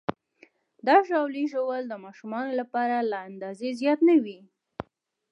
د ژاولې ژوول د ماشومانو لپاره له اندازې زیات نه وي.